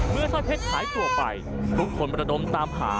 สร้อยเพชรหายตัวไปทุกคนประดมตามหา